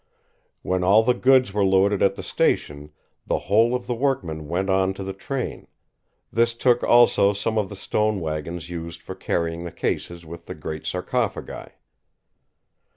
When all the goods were loaded at the station, the whole of the workmen went on to the train; this took also some of the stone wagons used for carrying the cases with the great sarcophagi.